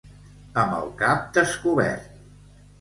Amb el cap descobert.